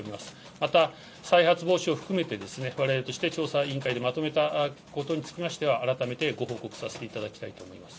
また、再発防止を含めて、われわれとして調査委員会でまとめたことにつきましては、改めてご報告させていただきたいと思います。